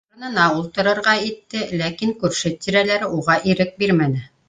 Урынына ултырырға итте, ләкин күрше-тирәләре уға ирек бирмәне: